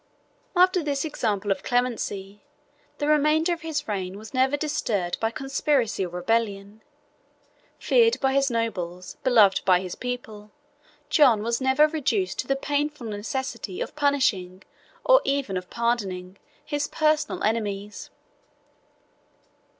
After this example of clemency, the remainder of his reign was never disturbed by conspiracy or rebellion: feared by his nobles, beloved by his people, John was never reduced to the painful necessity of punishing, or even of pardoning, his personal enemies.